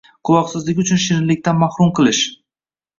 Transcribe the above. Quloqsizligi uchun shirinlikdan mahrum qilish –